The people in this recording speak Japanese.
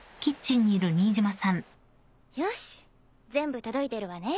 よし全部届いてるわね。